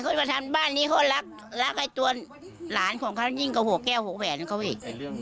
คงไม่มีไม่มีปรากฏได้เลยแก้วหัวบันปรากันเลยไม่มี